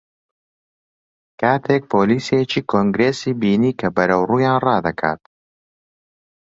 کاتێک پۆلیسێکی کۆنگرێسی بینی کە بەرەو ڕوویان ڕادەکات